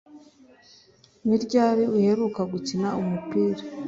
Ni ryari uheruka gukina umupira